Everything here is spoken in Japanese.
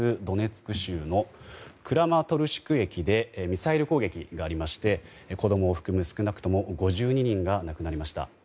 ドネツク州のクラマトルシク駅でミサイル攻撃がありまして子供を含む少なくとも５２人が亡くなりました。